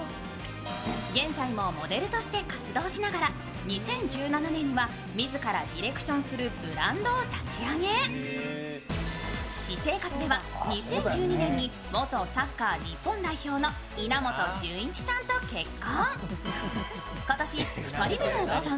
現在もモデルとして活動しながら２０１７年にはみずからディレクションするブランドを立ち上げ、私生活では２０１２年に元サッカー日本代表の稲本潤一さんと結婚。